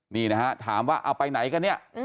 นี่นะฮะถามว่าเอาไปไหนกันเนี่ย